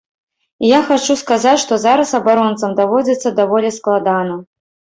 І я хачу сказаць, што зараз абаронцам даводзіцца даволі складана.